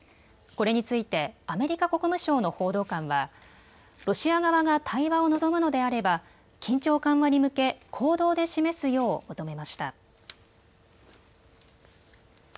これについて、アメリカ国務省の報道官はロシア側が対話を望むのであれば緊張緩和に向け、行動で示すよう求めました。